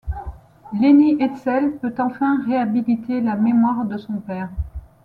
Leni Hetzel peut enfin réhabiliter la mémoire de son père.